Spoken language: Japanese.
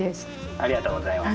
ありがとうございます。